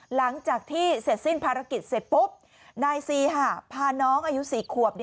หลังจากที่เสร็จสิ้นภารกิจเสร็จปุ๊บนายซีหะพาน้องอายุ๔ขวบ